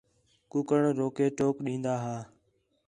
کُکڑ روکے ٹوک ݙین٘دا ہا